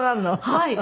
はい。